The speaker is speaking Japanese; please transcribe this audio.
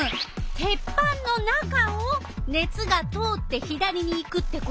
鉄板の中を熱が通って左に行くってことね。